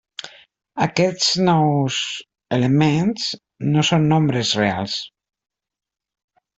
Aquests nous elements no són nombres reals.